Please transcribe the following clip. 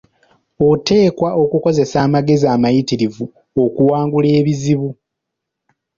Oteekwa okukoseza amagezi amayitirivu okuwangula ebizibu.